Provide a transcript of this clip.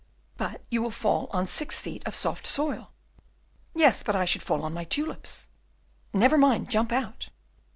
"But you will fall on six feet of soft soil!" "Yes, but I should fall on my tulips." "Never mind, jump out."